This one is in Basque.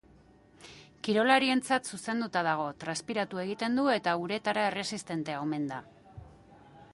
Kirolarientzat zuzenduta dago, transpiratu egiten du eta uretara erresistentea omen da.